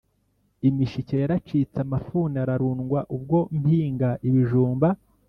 Imishike yaracitse Amafuni ararundwa, Ubwo mpinga ibijumba,